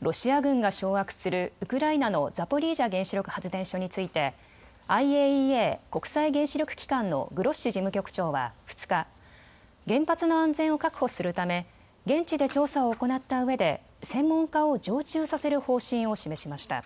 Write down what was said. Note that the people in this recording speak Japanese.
ロシア軍が掌握するウクライナのザポリージャ原子力発電所についてＩＡＥＡ・国際原子力機関のグロッシ事務局長は２日、原発の安全を確保するため現地で調査を行ったうえで専門家を常駐させる方針を示しました。